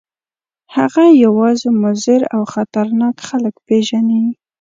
هغه یوازې مضر او خطرناک خلک پېژني.